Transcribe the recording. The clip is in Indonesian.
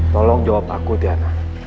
tolong jawab aku tiana